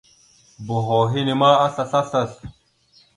Boho henne aslasl aslasl.